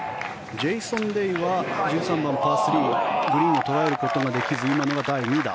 ジェイソン・デイは１３番、パー３グリーンを捉えることができずに今のが第２打。